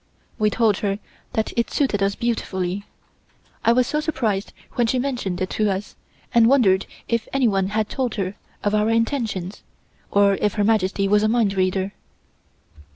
We told her that it suited us beautifully. I was so surprised when she mentioned it to us, and wondered if anyone had told her of our intentions, or if Her Majesty was a mind reader.